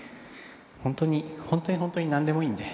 本当に本当に本当になんでもいいんで。